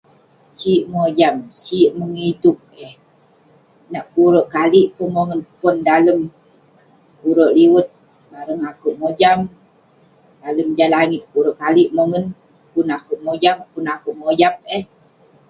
Sik mojam, sik mengituk eh. Nak kurek kalik peh mongen pon dalem kurek liwet, bareng akouk mojam. Dalem jah langit, kurek kalik mongen. Pun akouk mojam, pun akouk mojap eh.